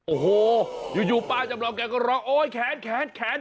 โอ้โห้ยูยูป้าจำลองก็ลองโอ้ยแขน